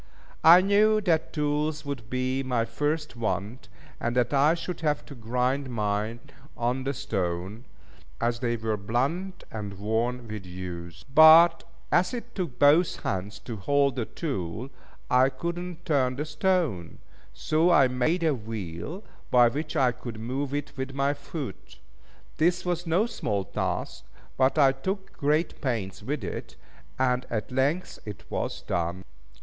I knew that tools would be my first want, and that I should have to grind mine on the stone, as they were blunt and worn with use. But as it took both hands to hold the tool, I could not turn the stone; so I made a wheel by which I could move it with my foot. This was no small task, but I took great pains with it, and at length it was done.